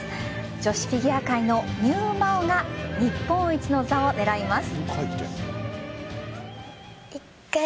女子フィギュア界のＮＥＷＭＡＯが日本一の座を狙います。